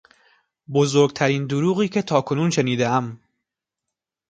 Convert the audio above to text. بزرگترین دروغی که تاکنون شنیدهام